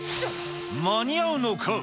間に合うのか？